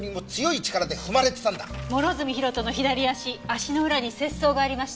諸角博人の左足足の裏に切創がありました。